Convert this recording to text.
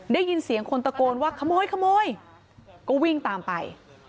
ได้ยินเสียงคนตะโกนว่าขโมยขโมยก็วิ่งตามไป